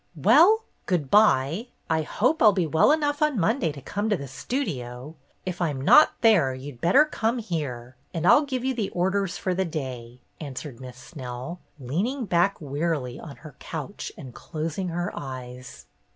" Well, good bye. I hope I 'll be well enough on Monday to come to the Studio. If I 'm not there you 'd better come here, and I 'll give you the orders for the day," answered Miss Snell, leaning back wearily on her couch and closing her eyes.